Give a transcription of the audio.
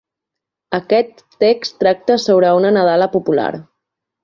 Aquest text tracta sobre una nadala popular.